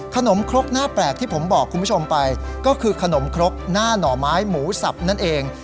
ครกหน้าแปลกที่ผมบอกคุณผู้ชมไปก็คือขนมครกหน้าหน่อไม้หมูสับนั่นเอง